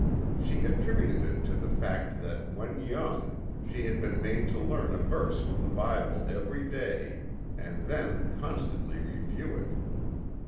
She attributed it to the fact that when young she had been made to learn a verse from the Bible every day, and then constantly review it.